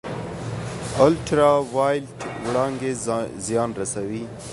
الټرا وایلیټ وړانګې زیان رسوي